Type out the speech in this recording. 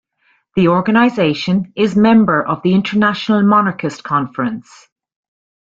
The organization is member of the International Monarchist Conference.